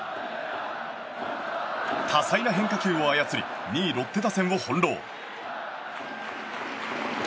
多彩な変化球を操り２位、ロッテ打線を翻弄。